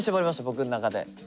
僕の中で。